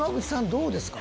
どうですか？